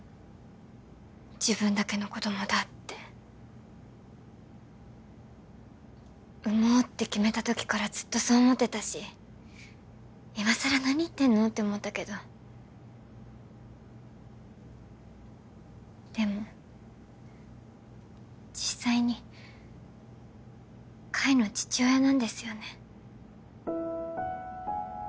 自分だけの子どもだって産もうって決めた時からずっとそう思ってたしいまさら何言ってんの？って思ったけどでも実際に海の父親なんですよね